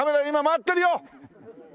今回ってるよ！